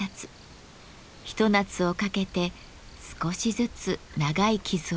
一夏をかけて少しずつ長い傷をつけていきます。